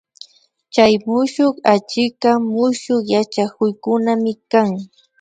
Chay mushuk achikka mushuk yachaykunami kan